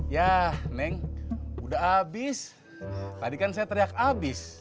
yah neng udah abis tadi kan saya teriak abis